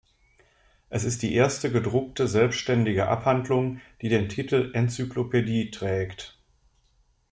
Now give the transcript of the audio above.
Es ist die erste gedruckte selbständige Abhandlung, die den Titel "Enzyklopädie" trägt.